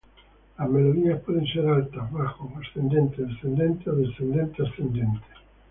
Las melodías pueden ser alta, bajo, ascendente, descendente o descendente-ascendente.